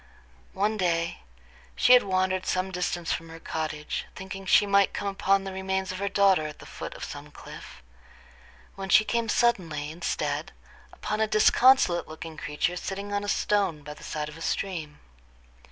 One day she had wandered some distance from her cottage, thinking she might come upon the remains of her daughter at the foot of some cliff, when she came suddenly, instead, upon a disconsolate looking creature sitting on a stone by the side of a stream.